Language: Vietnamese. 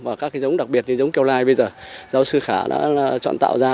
và các cái giống đặc biệt như giống keo lai bây giờ giáo sư khả đã chọn tạo ra